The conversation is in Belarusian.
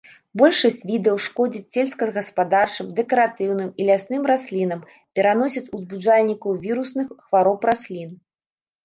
Большасць відаў шкодзяць сельскагаспадарчым, дэкаратыўным і лясным раслінам, пераносяць узбуджальнікаў вірусных хвароб раслін.